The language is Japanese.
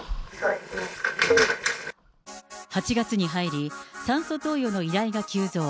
８月に入り、酸素投与の依頼が急増。